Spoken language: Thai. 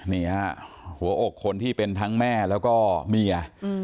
นี่ฮะหัวอกคนที่เป็นทั้งแม่แล้วก็เมีย